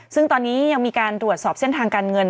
ซึ่งตอนนี้ยังมีการตรวจสอบเส้นทางการเงิน